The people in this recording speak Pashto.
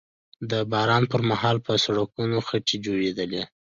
د باران پر مهال به په سړکونو خټې جوړېدلې